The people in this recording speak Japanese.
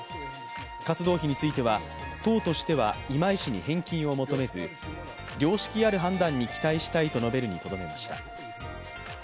活動費については、党としては今井氏に返金を求めず良識ある判断に期待したいと述べるにとどめました。